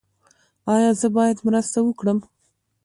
ایا زه باید مرسته وکړم؟